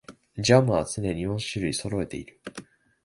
ジャムは常に四種類はそろえている